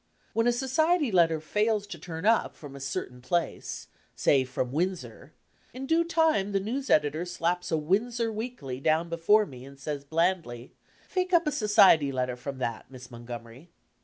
When a society letter fails tt> turn up from a certain place say from Windsor in due time, the news editor slaps a Windsor Weekly down before me and says blandly, 'fake up a society letter from that, Miss Montgomery.'